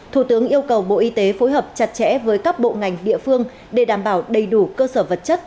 thủ tướng yêu cầu bộ y tế phối hợp chặt chẽ với các bộ ngành địa phương để đảm bảo đầy đủ cơ sở vật chất